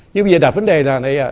nhưng bây giờ đặt vấn đề là